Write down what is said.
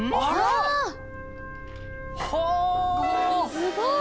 すごい。